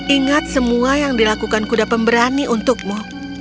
ingat semua yang dilakukan kuda pemberani untukmu